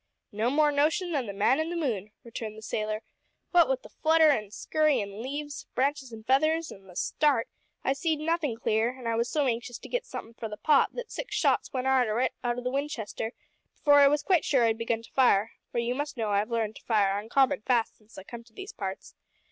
"No more notion than the man in the moon," returned the sailor. "What wi' the flutter an' scurry an' leaves, branches an' feathers an' the start I see'd nothin' clear, an' I was so anxious to git somethin' for the pot, that six shots went arter it out o' the Winchester, before I was quite sure I'd begun to fire for you must know I've larned to fire uncommon fast since I come to these parts.